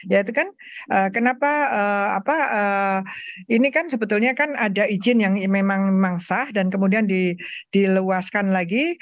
ya itu kan kenapa ini kan sebetulnya kan ada izin yang memang sah dan kemudian dilewaskan lagi